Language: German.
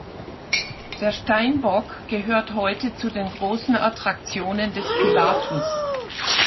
Der Steinbock gehört heute zu den grossen Attraktionen des Pilatus.